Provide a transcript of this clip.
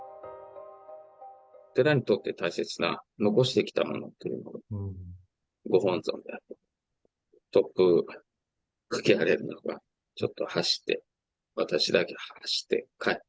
寺にとって大切な残してきたもの、御本尊であるとか、突風吹き荒れる中、ちょっと走って、私だけ走って帰って。